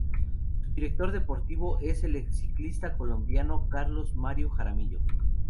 Su director deportivo es el ex-ciclista colombiano Carlos Mario Jaramillo.